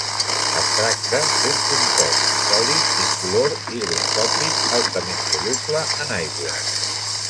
Es tracta d'un compost sòlid incolor i higroscòpic, altament soluble en aigua.